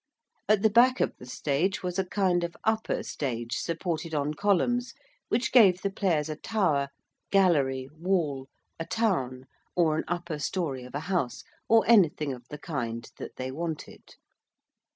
At the back of the stage was a kind of upper stage, supported on columns, which gave the players a tower, gallery, wall, a town, or an upper story of a house, or anything of the kind that they wanted.